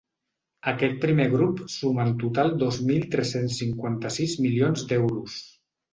Aquest primer grup suma en total dos mil tres-cents cinquanta-sis milions d’euros.